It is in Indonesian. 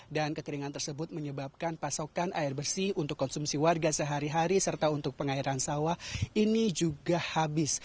dan kekeringan tersebut menyebabkan pasokan air bersih untuk konsumsi warga sehari hari serta untuk pengairan sawah ini juga habis